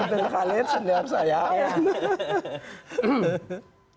menurut pak halil senyap sayang